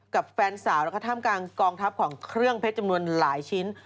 กับแฟนสาวนะคะทำการกองทับของเครื่องเพชรจำนวนหลายชิ้น